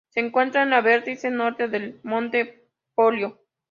Se encuentra en la vertiente norte del monte Polio.